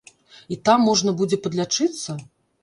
І там можна будзе падлячыцца?